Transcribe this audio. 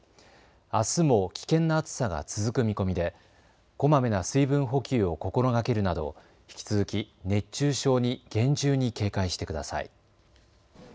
あすも危険な暑さが続く見込みでこまめな水分補給を心がけるなど引き続き熱中症に厳重に警戒してください。